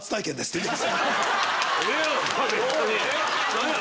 何や！